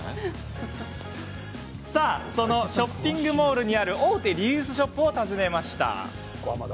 ショッピングモールにある大手リユースショップを訪ねました。